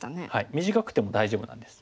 短くても大丈夫なんです。